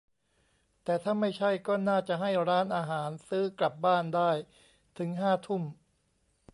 แต่ถ้าไม่ใช่ ก็น่าจะให้ร้านอาหาร ซื้อกลับบ้านได้ถึงห้าทุ่ม ?